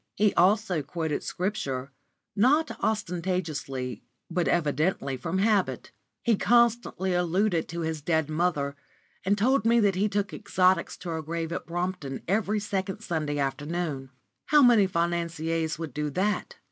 He also quoted Scripture, not ostentatiously, but evidently from habit. He constantly alluded to his dead mother, and told me that he took exotics to her grave at Brompton every second Sunday afternoon. How many financiers would do that?